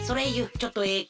ちょっとええか？